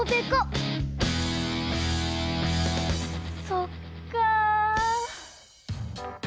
そっか。